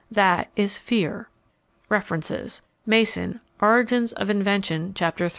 That is fear. References: Mason, Origins of Invention, Chapter III.